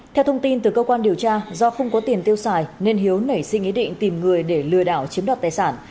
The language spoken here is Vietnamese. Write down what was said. theo thông tin từ cơ quan điều tra do không có tiền tiêu xài nên hiếu nảy sinh ý định tìm người để lừa đảo chiếm đoạt tài sản